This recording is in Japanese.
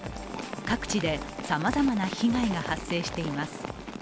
各地でさまざまな被害が発生しています。